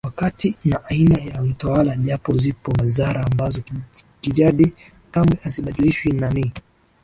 wakati na aina ya mtawala japo zipo wizara ambazo kijadi kamwe hazibadilishwi na ni